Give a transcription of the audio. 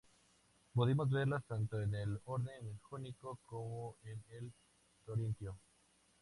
Podemos verlas tanto en el orden jónico como en el corintio.